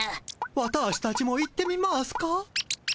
ワターシたちも行ってみますか？